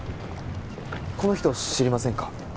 この人知りませんか？